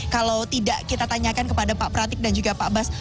kalau tidak kita tanyakan kepada pak pratik dan juga pak bas